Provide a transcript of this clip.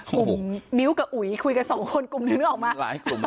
กลุ่มมิ้วกับอุ๋ยคุยกับสองคนกลุ่มหนึ่งออกมาหลายกลุ่มเกิน